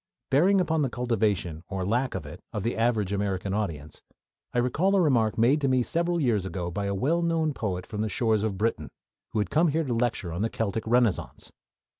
Bearing upon the cultivation, or lack of it, of the average American audience, I recall a remark made to me several years ago by a well known poet from the shores of Britain, who had come here to lecture on the Celtic Renaissance.